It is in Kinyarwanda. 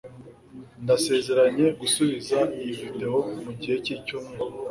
Ndasezeranye gusubiza iyi videwo mugihe cyicyumweru.